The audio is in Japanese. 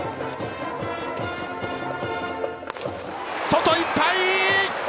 外いっぱい！